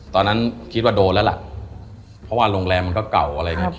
ตอนนั้นคิดว่าโดนแล้วล่ะเพราะว่าโรงแรมมันก็เก่าอะไรอย่างนี้